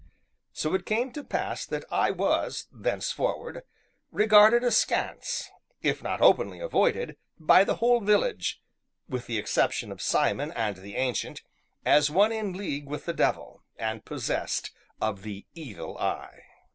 So it came to pass that I was, thenceforward, regarded askance, if not openly avoided, by the whole village, with the exception of Simon and the Ancient, as one in league with the devil, and possessed of the "Evil Eye."